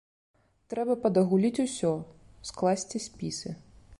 Трэба падагуліць усё, скласці спісы.